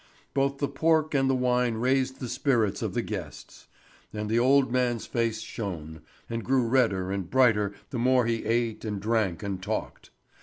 Both the pork and the wine raised the spirits of the guests, and the old man's face shone, and grew redder and brighter the more he ate and drank and talked.